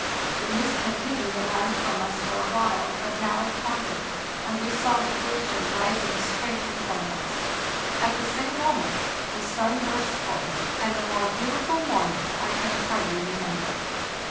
The mist had hidden the land from us for a while, but now it parted, and we saw the glacier rising straight in front of us. At the same moment the sun burst forth, and a more beautiful morning I can hardly remember.